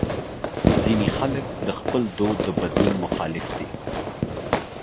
ځینې خلک د خپل دود د بدلون مخالف دي.